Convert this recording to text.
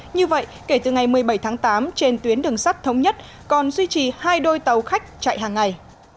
như vậy kể từ ngày một mươi bảy tháng tám trên tuyến đường sắt thống nhất còn duy trì hai đôi tàu khách chạy hàng ngày